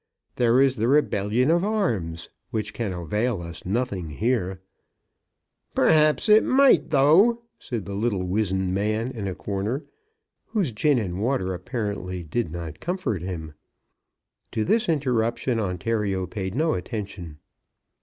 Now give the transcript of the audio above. There is the rebellion of arms, which can avail us nothing here." "Perhaps it might tho'," said the little wizened man in a corner, whose gin and water apparently did not comfort him. To this interruption Ontario paid no attention.